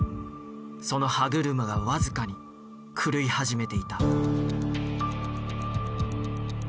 その歯車が僅かに狂い始めていた。